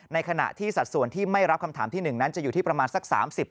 ในขณะที่สัดส่วนที่ไม่รับคำถามที่๑นั้นจะอยู่ที่ประมาณสัก๓๐